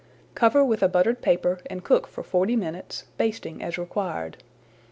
Cover with a buttered paper and cook for forty minutes, basting as required.